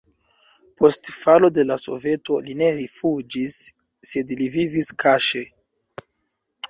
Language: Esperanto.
Post falo de la Soveto li ne rifuĝis, sed li vivis kaŝe.